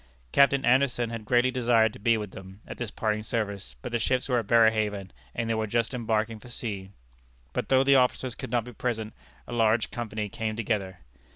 Captain Anderson had greatly desired to be with them at this parting service, but the ships were at Berehaven, and they were just embarking for sea. But though the officers could not be present, a large company came together.